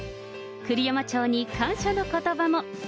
栗山町に感謝のことばも。